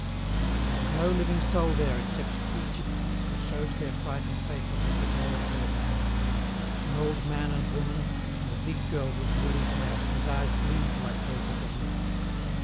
And there was no living soul there excepting three gipsies who showed their frightened faces at the door of their van—an old man and woman, and a big girl with woolly hair, whose eyes gleamed like those of a wolf.